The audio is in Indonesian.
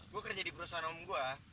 gue kerja di perusahaan om gue